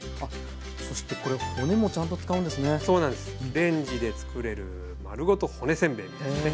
レンジでつくれる丸ごと骨せんべいっていってね。